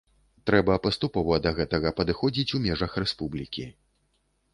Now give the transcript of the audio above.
Трэба паступова да гэтага падыходзіць, у межах рэспублікі.